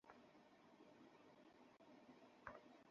তুমিও এসবের অংশ।